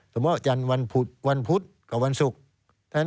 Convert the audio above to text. สมมุติจันทร์วันพุธวันพุธกับวันศุกร์